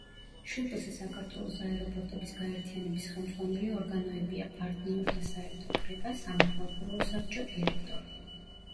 შპს „საქართველოს აეროპორტების გაერთიანების“ ხელმძღვანელი ორგანოებია: პარტნიორთა საერთო კრება, სამეთვალყურეო საბჭო, დირექტორი.